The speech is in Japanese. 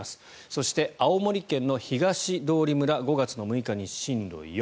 そして、青森県の東通村５月６日に震度４。